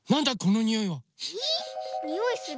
においする？